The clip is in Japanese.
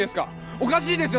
おかしいですよ